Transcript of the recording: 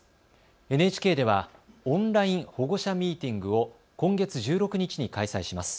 ＮＨＫではオンライン保護者ミーティングを今月１６日に開催します。